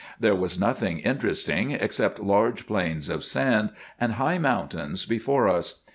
There was nothing in teresting, except large plains of sand, and high mountains before us.